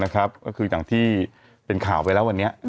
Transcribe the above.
ก็คืออย่างที่เป็นข่าวไปแล้ววันนี้